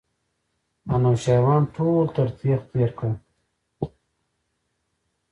انوشیروان ټول تر تېغ تېر کړل.